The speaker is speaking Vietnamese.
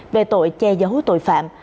về tội che giấu tội phạm